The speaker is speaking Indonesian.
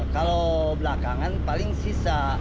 kalau belakangan paling sisa